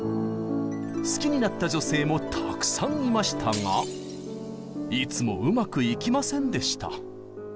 好きになった女性もたくさんいましたがいつもうまくいきませんでした。